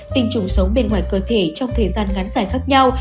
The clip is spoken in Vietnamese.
tinh trùng sống bên ngoài cơ thể trong thời gian ngắn giải khác nhau